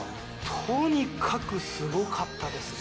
とにかくすごかったですね。